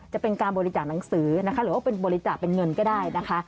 จะเป็นการบริจาคหนังสือนะคะหรือว่าเป็นบริจาคเป็นเงินก็ได้นะคะ